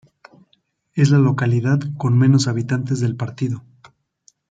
Es la localidad con menos habitantes del partido.